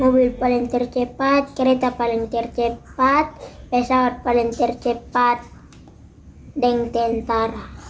mobil paling tercepat kereta paling tercepat pesawat paling tercepat deng tentara